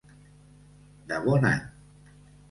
De bon any.